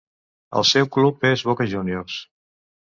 El seu club és Boca Juniors.